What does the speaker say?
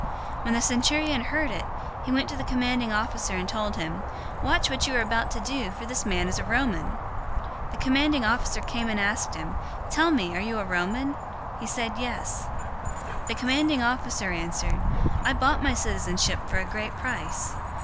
022:026 When the centurion heard it, he went to the commanding officer and told him, "Watch what you are about to do, for this man is a Roman!" 022:027 The commanding officer came and asked him, "Tell me, are you a Roman?" He said, "Yes." 022:028 The commanding officer answered, "I bought my citizenship for a great price."